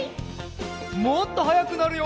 もっとはやくなるよ。